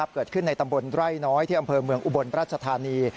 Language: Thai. เกิดขึ้นในตำบลไร่น้อยที่อำเภอเมืองอุบลราชธานี